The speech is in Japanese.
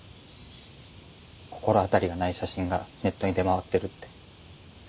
心当たりがない写真がネットに出回ってるって。